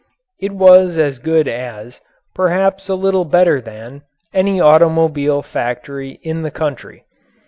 It was as good as, perhaps a little better than, any automobile factory in the country.